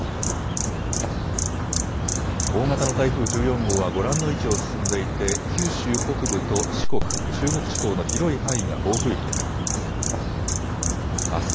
大型の台風１４号はご覧の位置を進んでいて、九州北部と四国、中国地方の広い範囲が暴風域に入っています。